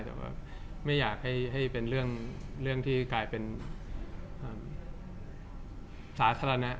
แต่ว่าไม่อยากให้เป็นเรื่องที่กลายเป็นสาธารณะ